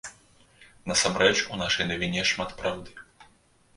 Насамрэч, у нашай навіне шмат праўды.